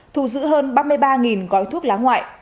thu giữ hơn ba mươi ba gói thuốc lá ngoại